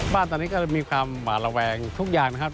บ้านตอนนี้ก็มีความหวาดระแวงทุกอย่างนะครับ